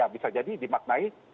bisa jadi dimaknai